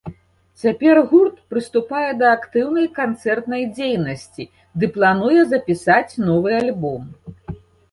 Цяпер гурт прыступае да актыўнай канцэртнай дзейнасці ды плануе запісаць новы альбом.